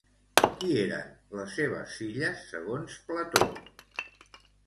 Qui eren les seves filles, segons Plató?